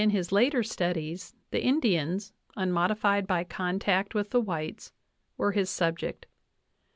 VIII his later studies the Indians, unmodified by contact with the whites, were his subject.